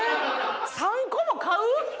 ３個も買う？